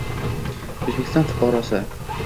O'zbekiston fuqarosi